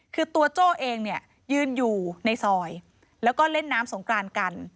คือตัวโจ้เองเนี่ยยืนอยู่ในซอยแล้วก็เล่นน้ำสงกรานกัน